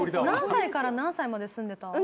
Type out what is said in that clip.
何歳から何歳まで住んでた？